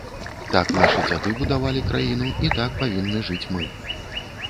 Так нашы дзяды будавалі краіну, і так павінны жыць мы.